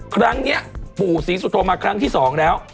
ครั้งนี้ปู่ศรีสุโธมาครั้งที่๒แล้ว